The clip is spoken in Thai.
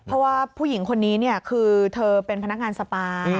เพราะว่าผู้หญิงคนนี้คือเธอเป็นพนักงานสปา